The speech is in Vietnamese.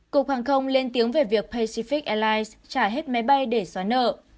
cục hàng không lên tiếng về việc pacific airlines trả hết máy bay để xóa nợ